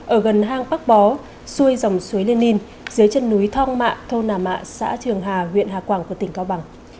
ở gần hang bắc bó xuôi dòng suối lê ninh dưới chân núi thong mạ thô nà mạ xã trường hà huyện hà quảng của tỉnh cao bằng